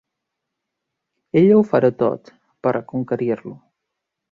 Ella ho farà tot per reconquerir-lo.